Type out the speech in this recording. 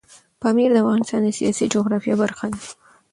پامیر د افغانستان د سیاسي جغرافیه برخه ده.